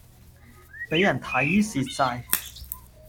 俾人睇蝕曬